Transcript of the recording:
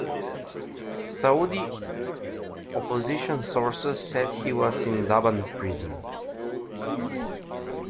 Saudi opposition sources said he was in Dhaban Prison.